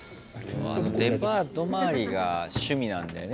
デパートまわりが趣味なんだよね